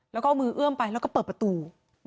แล้วก็เอามือเอื้อมไปแล้วก็เปิดประตู